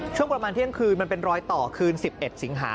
ช่วงประมาณเที่ยงคืนมันเป็นรอยต่อคืน๑๑สิงหา